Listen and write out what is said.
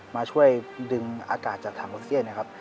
มาช่วยดึงอากาศจากถังโตซิเจน